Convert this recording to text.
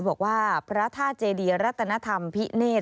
บอกว่าพระท่าเจเดียรัฐนธรรมพิเนตร